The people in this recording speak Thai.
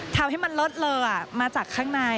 ทำให้มันเลิศเลอมาจากข้างใน